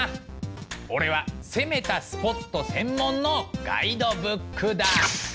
オレは攻めたスポット専門のガイドブックだ！